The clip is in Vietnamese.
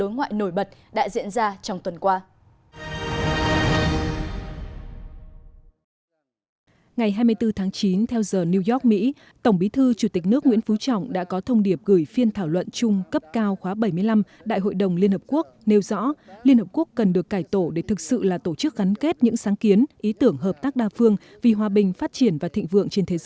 ngày hai mươi bốn tháng chín theo giờ new york mỹ tổng bí thư chủ tịch nước nguyễn phú trọng đã có thông điệp gửi phiên thảo luận chung cấp cao khóa bảy mươi năm đại hội đồng liên hợp quốc nêu rõ liên hợp quốc cần được cải tổ để thực sự là tổ chức gắn kết những sáng kiến ý tưởng hợp tác đa phương vì hòa bình phát triển và thịnh vượng trên thế giới